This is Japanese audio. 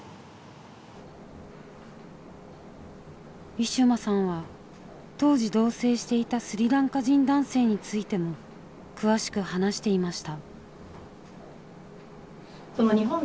ウィシュマさんは当時同棲していたスリランカ人男性についても詳しく話していました。